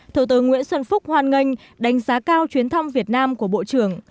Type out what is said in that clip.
thủ tướng nguyễn xuân phúc hoan nghênh đánh giá cao chuyến thăm việt nam của bộ trưởng